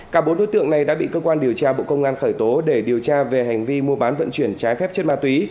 cả bốn đối tượng này đã bị cơ quan điều tra bộ công an khởi tố để điều tra về hành vi mua bán vận chuyển trái phép chất ma túy